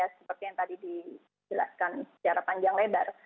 seperti yang tadi dijelaskan secara panjang lebar